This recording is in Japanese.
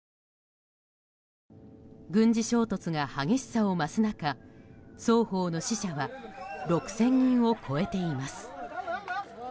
軍事衝突が激しさを増す中双方の死者は６０００人を超えています。